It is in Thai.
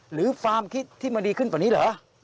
หรือความคิดที่มันดีขึ้นกว่านี้เหรอ